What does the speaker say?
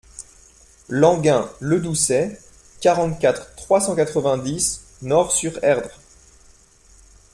Languin - Le Doussais, quarante-quatre, trois cent quatre-vingt-dix Nort-sur-Erdre